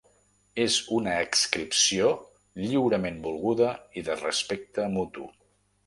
És una adscripció lliurement volguda i de respecte mutu.